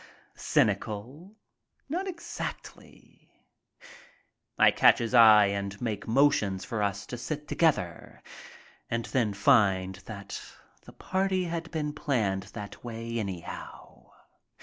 Cynical? Not exactly. I catch his eye and make motions for us to sit together, and then find that the party had been planned that way anyhow.